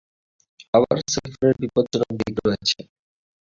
আবার সেলফোনের বিপজ্জনক দিক রয়েছে।